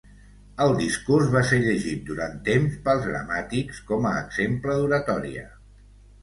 El discurs va ser llegit durant temps pels gramàtics, com a exemple d'oratòria.